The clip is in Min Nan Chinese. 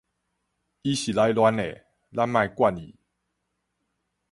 伊是來亂的，咱莫管伊